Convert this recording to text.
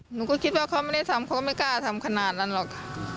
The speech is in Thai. หนูก็คิดว่าเขาไม่ได้ทำเขาก็ไม่กล้าทำขนาดนั้นหรอก